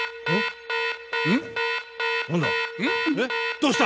どうした？